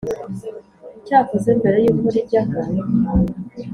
Cyakozwe mbere y’uko rijyaho,